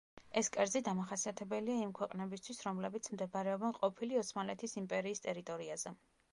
ეს კერძი დამახასიათებელია იმ ქვეყნებისთვის, რომლებიც მდებარეობენ ყოფილი ოსმალეთის იმპერიის ტერიტორიაზე.